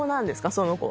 その子は。